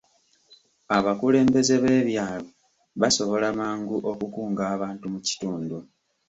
Abakulembeze b'ebyalo basobola mangu okukunga abantu mu kitundu.